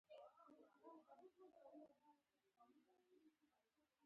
• غونډۍ د اوبو د جذب ښه وړتیا لري.